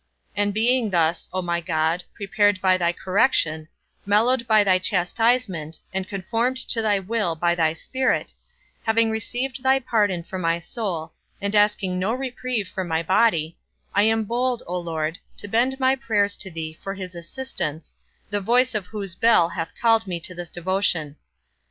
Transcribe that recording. And being thus, O my God, prepared by thy correction, mellowed by thy chastisement, and conformed to thy will by thy Spirit, having received thy pardon for my soul, and asking no reprieve for my body, I am bold, O Lord, to bend my prayers to thee for his assistance, the voice of whose bell hath called me to this devotion.